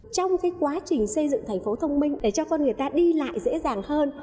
trong quá trình xây dựng tp hcm để cho con người ta đi lại dễ dàng hơn